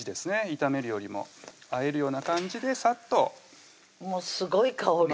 炒めるよりもあえるような感じでサッともうすごい香りです